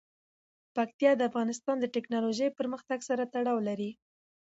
پکتیا د افغانستان د تکنالوژۍ پرمختګ سره تړاو لري.